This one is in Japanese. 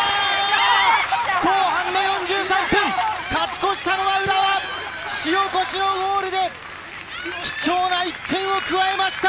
後半４３分、勝ち越したのは浦和・塩越のゴールで貴重な１点を加えました。